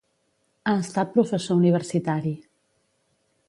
Ha estat professor universitari.